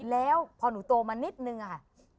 แล้วพอหนูโตมานิดนึงค่ะ